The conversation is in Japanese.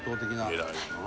「偉いな。